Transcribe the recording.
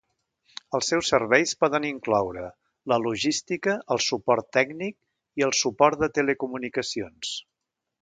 Els seus serveis poden incloure: la logística, el suport tècnic, i el suport de telecomunicacions.